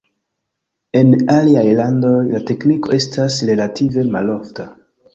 En aliaj landoj, la tekniko estas relative malofta.